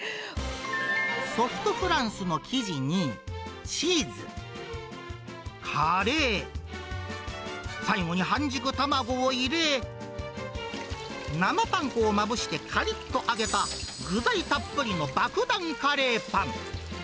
ソフトフランスの生地に、チーズ、カレー、最後に半熟卵を入れ、生パン粉をまぶしてかりっと揚げた具材たっぷりの爆弾カレーパン。